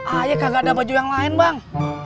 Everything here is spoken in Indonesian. ayo kagak ada baju yang lain bang